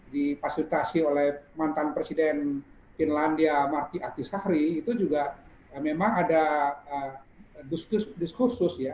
difasilitasi oleh mantan presiden finlandia marti atisahri itu juga memang ada diskus diskursus ya